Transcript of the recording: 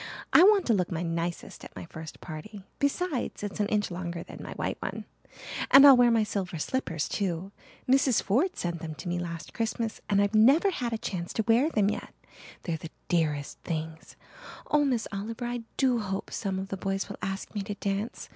I want to look my nicest at my first party. Besides, it's an inch longer than my white one. And I'll wear my silver slippers too. Mrs. Ford sent them to me last Christmas and I've never had a chance to wear them yet. They're the dearest things. Oh, Miss Oliver, I do hope some of the boys will ask me to dance.